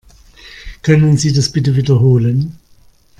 Können Sie das bitte wiederholen?